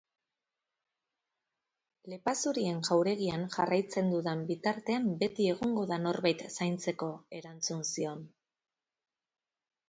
Lepazurien Jauregian jarraitzen dudan bitartean beti egongo da norbait zaintzeko, erantzun zion.